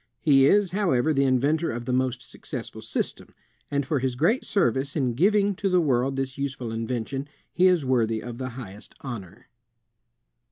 He is, however, the inventor of the most successful system; and for his great service in giving to the world this useful invention, he is worthy of the highest honor.